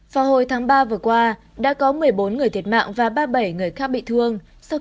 vào hồi tháng ba vừa qua đã có một mươi bốn người thiệt mạng và ba mươi bảy người khác bị thương